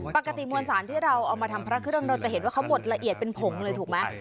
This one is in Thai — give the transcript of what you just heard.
มวลสารที่เราเอามาทำพระเครื่องเราจะเห็นว่าเขาบดละเอียดเป็นผงเลยถูกไหม